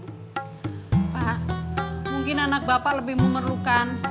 pak mungkin anak bapak lebih memerlukan